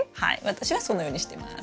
私はそのようにしてます。